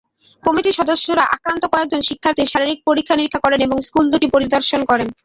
কমিটির সদস্যরা আক্রান্ত কয়েকজন শিক্ষার্থীর শারীরিক পরীক্ষা-নিরীক্ষা করেন এবং স্কুল দুটি পরিদর্শন করেন।